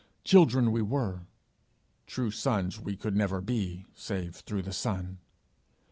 Children we were; true sons we could never be, save through The Son.